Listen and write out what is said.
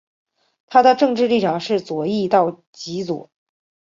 它的政治立场是左翼到极左。